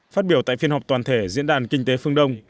phát biểu tại phiên họp toàn thể diễn đàn kinh tế phương đông